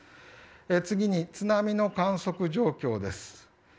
次に津波の観測状況です。